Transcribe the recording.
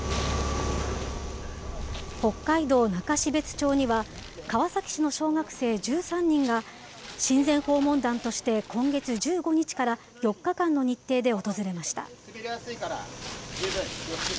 北海道中標津町には、川崎市の小学生１３人が、親善訪問団として今月１５日から、４日間の日程で訪れました。